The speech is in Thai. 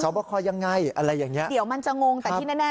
สวบครอย่างไรอะไรอย่างเงี้ยเดี๋ยวมันจะงงแต่ที่แน่